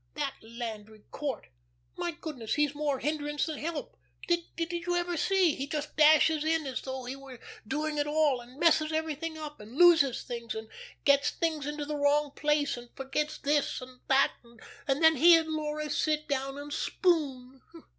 That Landry Court! My goodness, he's more hindrance than help. Did you ever see! He just dashes in as though he were doing it all, and messes everything up, and loses things, and gets things into the wrong place, and forgets this and that, and then he and Laura sit down and spoon.